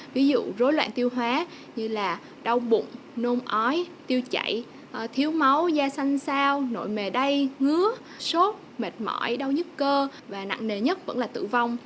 ví dụ rối loạn tiêu hóa như là đau bụng nôn ói tiêu chảy thiếu máu da xanh sao nội mề đay ngứa sốt mệt mỏi đau nhất cơ và nặng nề nhất vẫn là tử vong